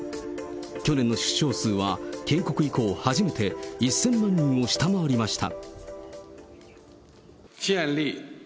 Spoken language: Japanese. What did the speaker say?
去年の出生数は建国以降初めて１０００万人を下回りました。